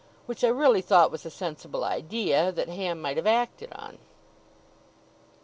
Which I really thought was a sensible idea, that Ham might have acted on.